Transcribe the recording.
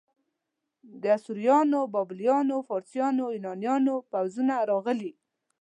د اسوریانو، بابلیانو، فارسیانو، یونانیانو پوځونه راغلي.